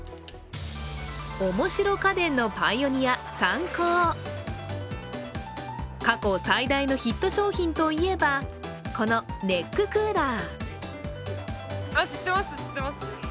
面白家電のパイオニア、サンコー過去最大のヒット商品といえば、このネッククーラー。